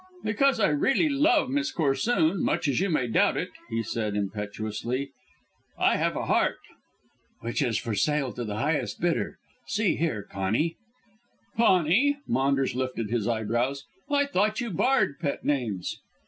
"Because I really love Miss Corsoon, much as you may doubt it," he said impetuously. "I have a heart " "Which is for sale to the highest bidder. See here, Conny " "Conny?" Maunders lifted his eyebrows. "I thought you barred pet names?"